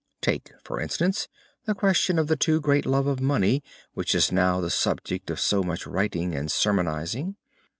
Take, for instance, the question of the too great love of money which is now the subject of so much writing and sermonizing.